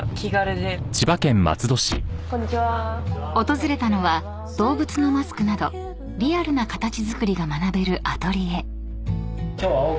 ［訪れたのは動物のマスクなどリアルな形作りが学べるアトリエ］